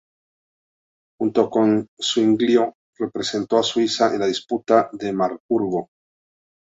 Junto con Zuinglio representó a Suiza en la Disputa de Marburgo.